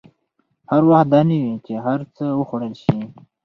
هر وخت دا نه وي چې هر څه وخوړل شي.